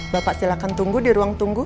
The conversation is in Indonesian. bapak silakan tunggu di ruang tunggu